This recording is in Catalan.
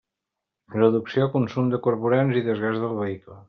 Reducció consum de carburants i desgast del vehicle.